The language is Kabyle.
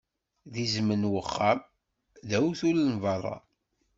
D izem n uxxam, d awtul n beṛṛa.